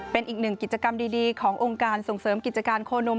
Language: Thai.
เป็นอีกหนึ่งกิจกรรมดีขององค์การส่งเสริมกิจการโคนม